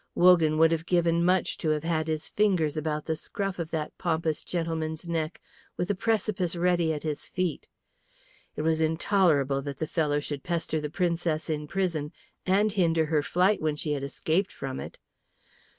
Wogan would have given much to have had his fingers about the scruff of that pompous gentleman's neck with the precipice handy at his feet. It was intolerable that the fellow should pester the Princess in prison and hinder her flight when she had escaped from it.